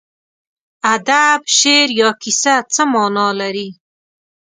ادب، شعر یا کیسه څه مانا لري.